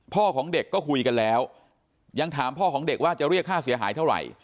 ของเด็กก็คุยกันแล้วยังถามพ่อของเด็กว่าจะเรียกค่าเสียหายเท่าไหร่